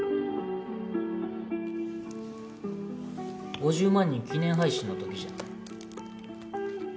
５０万人記念配信の時じゃん